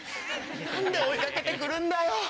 何で追いかけてくるんだよ。